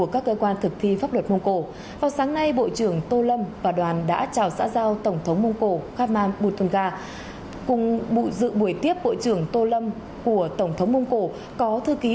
có thư ký hội đồng an ninh quốc gia mông cổ